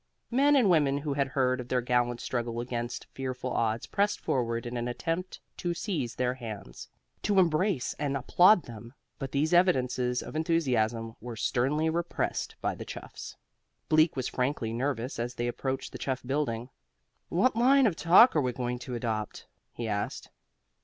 Men and women who had heard of their gallant struggle against fearful odds pressed forward in an attempt to seize their hands, to embrace and applaud them, but these evidences of enthusiasm were sternly repressed by the chuffs. Bleak was frankly nervous as they approached the Chuff Building. "What line of talk are we going to adopt?" he asked.